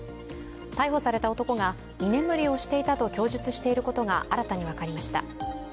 逮捕された男が、居眠りをしていたと供述していることが新たに分かりました。